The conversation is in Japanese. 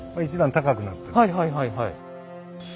はいはいはいはい。